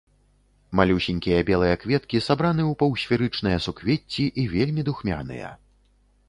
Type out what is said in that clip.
Малюсенькія белыя кветкі сабраны ў паўсферычныя суквецці і вельмі духмяныя.